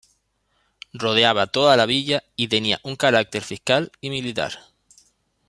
Rodeaba toda la villa, y tenía un carácter fiscal y militar.